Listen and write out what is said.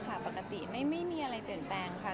ปกติไม่มีอะไรเปลี่ยนแปลงค่ะ